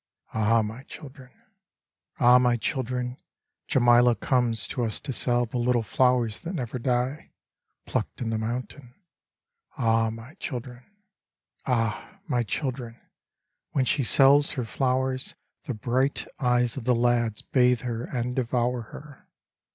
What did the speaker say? Ah I my children I Ah I my children I Djemileh comes to us to sell The little flowers that never die, plucked in the mountain. Ah I my children I Ah I my children ! when she sells her flowers The bright eyes of the lads bathe her and devour her.